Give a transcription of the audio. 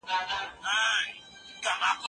ثمرګل په باغ کې په پوره مینه کار ته دوام ورکوي.